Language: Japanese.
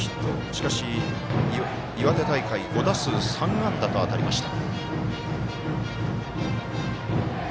しかし岩手大会、５打数３安打と当たりました。